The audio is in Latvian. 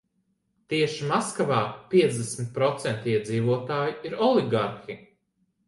Tieši Maskavā piecdesmit procenti iedzīvotāju ir oligarhi.